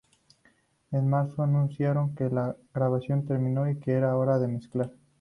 En marzo, anunciaron que la grabación terminó, y que era hora de mezclar.